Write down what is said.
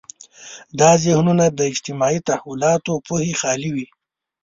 دا ذهنونه د اجتماعي تحولاتو پوهې خالي وي.